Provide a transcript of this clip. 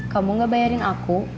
kamu gak bayarin aku